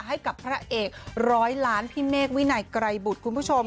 ให้กับพระเอกร้อยล้านพี่เมฆวินัยไกรบุตรคุณผู้ชม